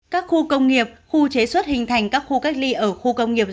các khu công nghiệp khu chế xuất hình thành các khu cách ly ở khu công nghiệp